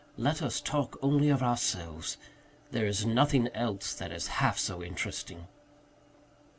Let us talk only of ourselves there is nothing else that is half so interesting."